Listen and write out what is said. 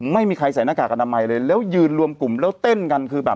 ไม่มีใครใส่หน้ากากอนามัยเลยแล้วยืนรวมกลุ่มแล้วเต้นกันคือแบบ